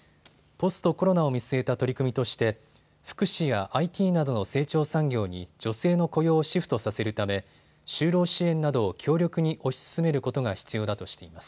ポストコロナを見据えた取り組みとして福祉やＩＴなどの成長産業に女性の雇用をシフトさせるため就労支援などを強力に推し進めることが必要だとしています。